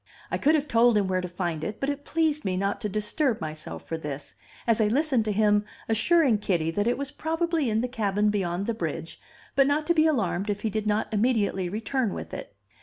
I could have told him where to find it, but it pleased me not to disturb myself for this, as I listened to him assuring Kitty that it was probably in the cabin beyond the bridge, but not to be alarmed if he did not immediately return with it.